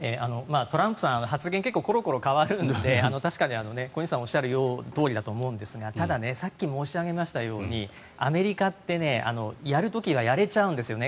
トランプさん、発言が結構コロコロ変わるので確かに小西さんがおっしゃるとおりだと思うんですがたださっき申し上げましたようにアメリカってやれる時はやれちゃうんですよね